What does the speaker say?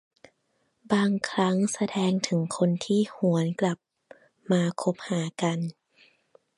บางครั้งแสดงถึงคนที่หวนกลับมาคบหากัน